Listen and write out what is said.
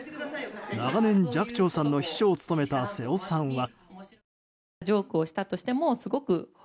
長年、寂聴さんの秘書を務めた瀬尾さんは。